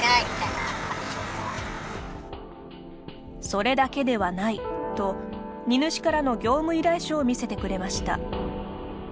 「それだけではない」と荷主からの業務依頼書を見せてくれました。